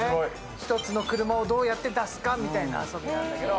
１つの車をどうやって出すかみたいなものなんですけど。